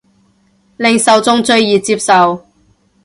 令受眾最易接受